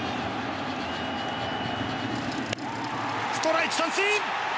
ストライク、三振。